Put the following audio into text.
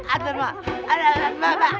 aduh aduh ma